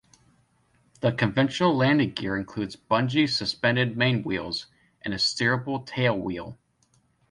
The conventional landing gear includes bungee-suspended main wheels and a steerable tail wheel.